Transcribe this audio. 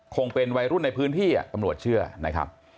คงเป็นวัยรุ่นในพื้นที่ตำรวจเชื่อนะครับ